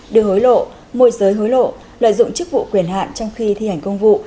đưa hối lộ môi giới hối lộ lợi dụng chức vụ quyền hạn trong khi thi hành công vụ